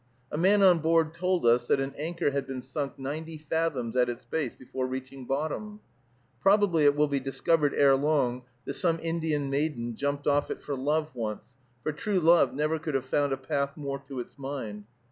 A man on board told us that an anchor had been sunk ninety fathoms at its base before reaching bottom! Probably it will be discovered ere long that some Indian maiden jumped off it for love once, for true love never could have found a path more to its mind.